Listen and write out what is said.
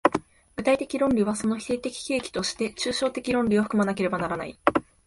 具体的論理はその否定的契機として抽象的論理を含まねばならないが、